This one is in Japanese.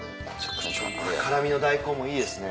辛味の大根もいいですね。